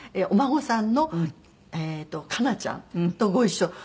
お孫さんの佳奈ちゃんとご一緒。